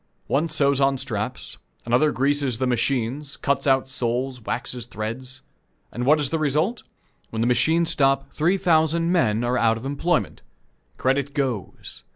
One sews on straps, another greases the machines, cuts out soles, waxes threads. And what is the result? When the machines stop, three thousand men are out of employment. Credit goes.